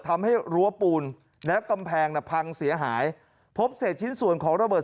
รั้วปูนและกำแพงน่ะพังเสียหายพบเศษชิ้นส่วนของระเบิด